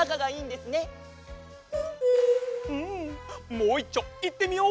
もういっちょいってみよう！